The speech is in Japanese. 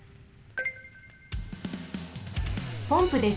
ポンプです。